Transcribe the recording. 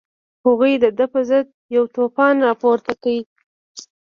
هغوی د ده په ضد یو توپان راپورته کړ.